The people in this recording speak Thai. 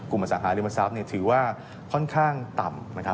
กลุ่มอสังหาริมทรัพย์ถือว่าค่อนข้างต่ำ